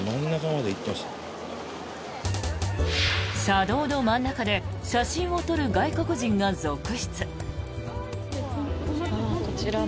車道の真ん中で写真を撮る外国人が続出。